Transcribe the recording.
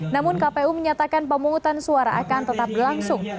namun kpu menyatakan pemungutan suara akan tetap berlangsung